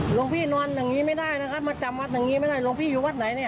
หลวงพี่นอนอย่างนี้ไม่ได้นะครับมาจำวัดอย่างนี้ไม่ได้หลวงพี่อยู่วัดไหนเนี่ย